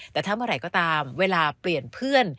แต่ถ้าเมื่อไหร่ก็ตามเวลาเปลี่ยนเพื่อน